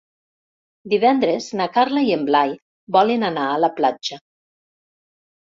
Divendres na Carla i en Blai volen anar a la platja.